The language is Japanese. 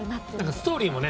ストーリーもね